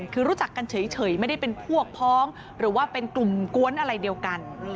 คือรู้จักกันเฉยไม่ได้เป็นพวกพ้องหรือว่าเป็นกลุ่มกวนอะไรเดียวกัน